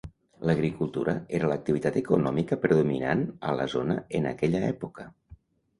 L'agricultura era l'activitat econòmica predominant a la zona en aquella època.